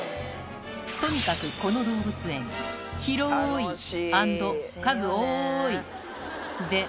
とにかくこの動物園広いアンド数多いで